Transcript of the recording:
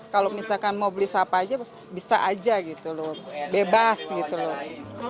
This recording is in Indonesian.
kalau misalkan mau beli sapa aja bisa aja gitu loh bebas gitu loh